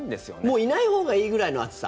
もういないほうがいいぐらいの暑さ？